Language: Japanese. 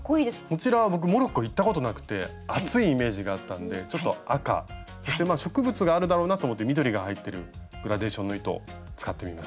こちら僕モロッコ行ったことなくて暑いイメージがあったんでちょっと赤そして植物があるだろうなと思って緑が入ってるグラデーションの糸使ってみました。